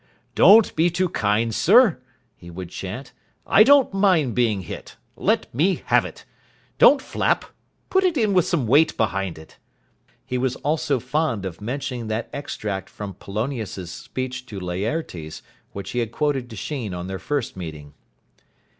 "Don't be too kind, sir," he would chant, "I don't mind being hit. Let me have it. Don't flap. Put it in with some weight behind it." He was also fond of mentioning that extract from Polonius' speech to Laertes, which he had quoted to Sheen on their first meeting.